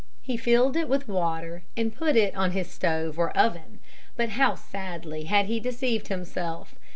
He filled it with water and put it on his stove or oven, but how sadly had he deceived himself.